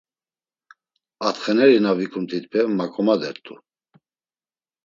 Atxeneri na vikumt̆itpe maǩomadert̆u.